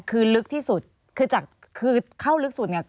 คือลึกที่สุดคือจากคือเข้าลึกสุดเนี่ย